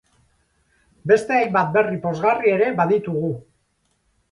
Beste hainbat berri pozgarri ere baditugu!